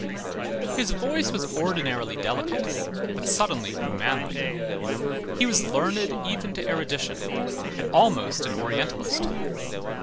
His voice was ordinarily delicate, but suddenly grew manly. He was learned even to erudition, and almost an Orientalist.